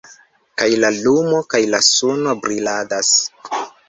Kaj la lumo kaj la suno briladas?